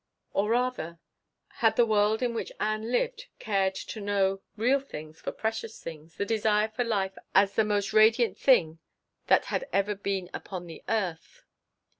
Or rather, had the world in which Ann lived cared to know real things for precious things, the desire for life as the most radiant thing that had ever been upon the earth.